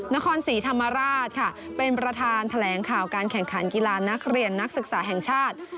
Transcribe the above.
นครศรีธรรมราชค่ะเป็นประธานแถลงข่าวการแข่งขันกีฬานักเรียนนักศึกษาแห่งชาติ